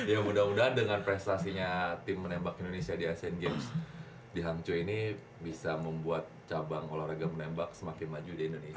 ya mudah mudahan dengan prestasinya tim menembak indonesia di asean games di hangzhou ini bisa membuat cabang olahraga menembak semakin maju di indonesia